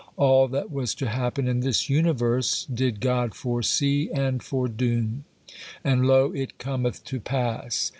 All that was to happen in this universe did God foresee and foredoom, and lo! it cometh to pass.